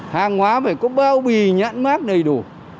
hàng hóa phải có bao bì nhãn mát đầy đủ